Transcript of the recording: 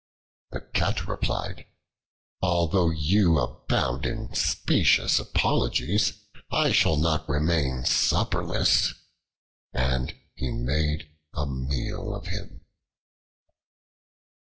The Cat replied, "Although you abound in specious apologies, I shall not remain supperless;" and he made a meal of him.